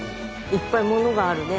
いっぱい物があるね。